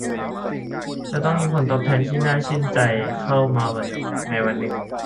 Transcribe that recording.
จะต้องมีผลตอบแทนที่น่าชื่นใจเข้ามาในวันหนึ่ง